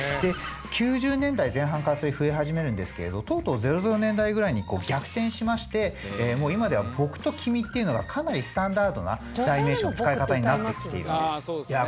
９０年代前半から増え始めるんですけれどとうとう００年代ぐらいに逆転しまして今では「僕」と「君」っていうのがかなりスタンダードな代名詞の使い方になってきているんです。